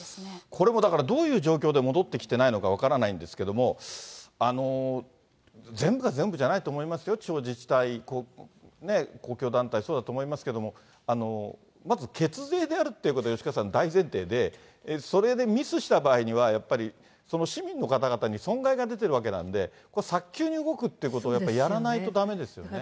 これもだから、どういう状況で戻ってきていないのか分からないんですけれども、全部が全部ではないと思いますよ、地方自治体、公共団体、そうだと思いますけども、まず血税であるってこと、吉川さん、大前提で、それでミスした場合には、やっぱり、その市民の方々に損害が出てるわけなんで、これ、早急に動くっていうことをやっぱりやらないとだめですよね。